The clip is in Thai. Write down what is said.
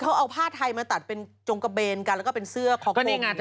เขาเอาผ้าไทยมาตัดเป็นจงกระเบนกันแล้วก็เป็นเสื้อของคนงาน